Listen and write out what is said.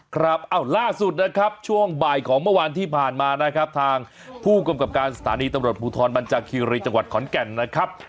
ครับล่าสุดนะครับช่วงบ่ายของเมื่อวานที่ผ่านมานะครับทางผู้กำกับการสถานีตำรวจภูทรบรรจาคีรีจังหวัดขอนแก่นนะครับ